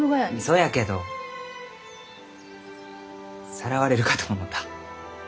そやけどさらわれるかと思うた。